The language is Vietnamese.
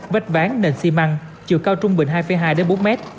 vách ván nền xi măng chiều cao trung bình hai hai bốn m